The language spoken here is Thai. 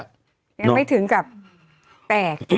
ยังไม่ถึงกับแตก